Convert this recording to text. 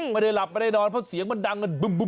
ไม่ได้หลับไม่ได้นอนเพราะเสียงมันดัง